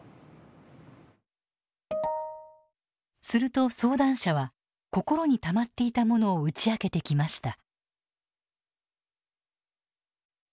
すると相談者は心にたまっていたものを打ち明けてきました。